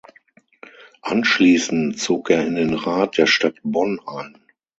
Anschließend zog er in den Rat der Stadt Bonn ein.